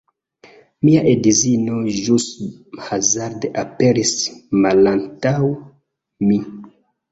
Mia edzino ĵus hazarde aperis malantaŭ mi